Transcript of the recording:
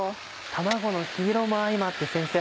卵の黄色も相まって先生